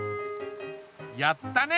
やったね！